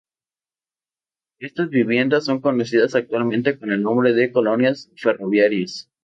Estas viviendas son conocidas actualmente con el nombre de colonias ferroviarias.